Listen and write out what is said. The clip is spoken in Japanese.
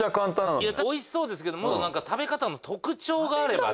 いや確かにおいしそうですけどもっとなんか食べ方の特徴があればね。